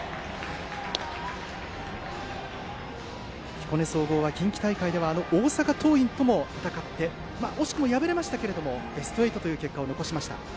彦根総合は近畿大会ではあの大阪桐蔭とも戦って、惜しくも敗れましたがベスト８という結果を残しました。